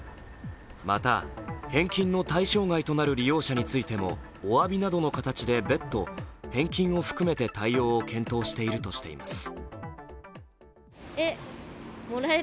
また返金の対象外となる利用者についても、おわびなどの形で別途、返金を含めて対応を検討しているとしています。